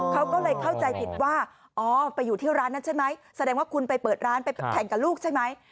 เขาก็เลยเข้าใจผิดว่าอ๋อไปอยู่ที่ร้านนั้นใช่ไหมแสดงว่าคุณไปเปิดร้านไปแข่งกับลูกใช่ไหม